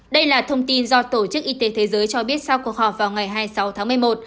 đây là thông tin do tổ chức y tế thế giới cho biết sau cuộc họp vào ngày hai mươi sáu tháng một mươi một